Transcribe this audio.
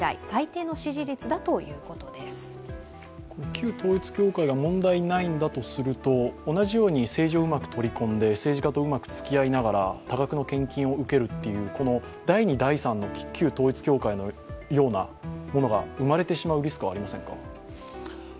旧統一教会が問題ないんだとすると、同じように、政治をうまく取り込んで、政治家とうまくつきあいながら、多額の献金を受けるっていう第二、第三の旧統一教会のようなものが生まれてしまうリスクはありませんか？